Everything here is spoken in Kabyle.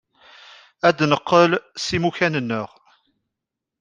Ad neqqel s imukan-nneɣ.